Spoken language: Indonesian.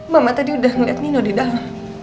mama tadi udah ngeliat nino di dalam